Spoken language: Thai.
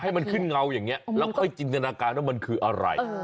ให้มันขึ้นเงาอย่างนี้แล้วค่อยจินตนาการว่ามันคืออะไร